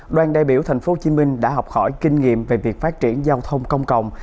đoàn đại biểu tp hcm đã học hỏi kinh nghiệm về việc phát triển giao thông công cộng